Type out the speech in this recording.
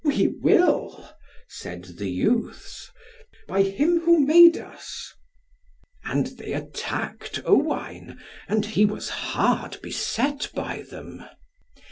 "We will," said the youths, "by him who made us." And they attacked Owain, and he was hard beset by them.